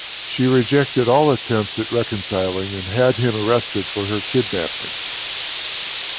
She rejected all attempts at reconciling and had him arrested for her kidnapping.